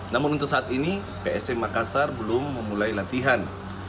namun untuk saat ini psm makassar belum memulai latihan